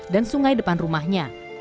dan sungai depan rumahnya